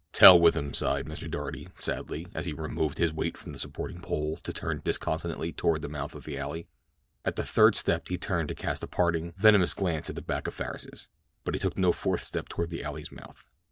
"T' 'ell with 'im," sighed Mr. Doarty, sadly, as he removed his weight from the supporting pole to turn disconsolately toward the mouth of the alley. At the third step he turned to cast a parting, venomous glance at the back of Farris's; but he took no fourth step toward the alley's mouth.